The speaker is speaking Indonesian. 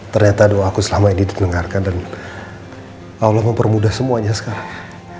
ternyata doaku selama ini didengarkan dan allah mempermudah semuanya sekarang